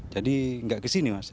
jadi nggak kesini mas ya